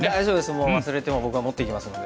もう忘れても僕が持っていきますので。